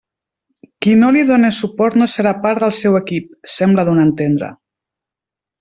Qui no li done suport no serà part del seu equip, sembla donar a entendre.